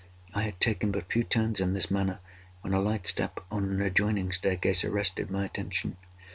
I had taken but few turns in this manner, when a light step on an adjoining staircase arrested my attention.